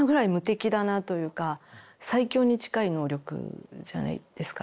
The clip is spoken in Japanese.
最強に近い能力じゃないですか。